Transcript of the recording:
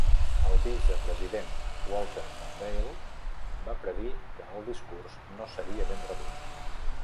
El vicepresident Walter Mondale va predir que el discurs no seria ben rebut.